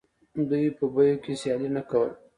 دوی په بیو کې سیالي نه کوله